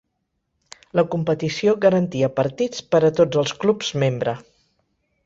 La competició garantia partits per a tots els clubs membre.